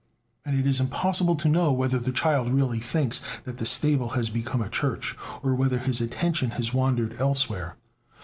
And it is impossible to know whether the child really thinks that the stable has become a church, or whether his attention has wandered elsewhere.